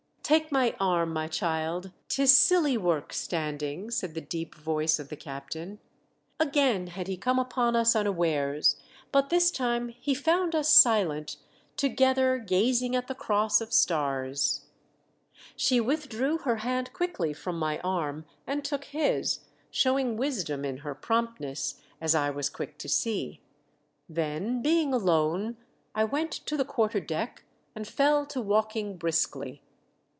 " Take my arm, my child ; 'tis ally work standing," said the deep voice of t captain. Again had he come upon us unbares, but this time he found us silent, too ctk* p azino '* O O at the Cross of stars. She with^ew her \\ 2 14 THE DEATH SHIP. hand quickly from my arm and took his, showing wisdom in her promptness, as I was quick to see. Then, being alone, I went to the quarter deck and fell to walking briskly.